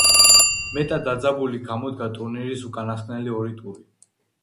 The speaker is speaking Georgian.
მეტად დაძაბული გამოდგა ტურნირის უკანასკნელი ორი ტური.